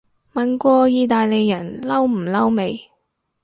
問過意大利人嬲唔嬲未